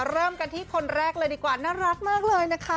เริ่มกันที่คนแรกเลยดีกว่าน่ารักมากเลยนะคะ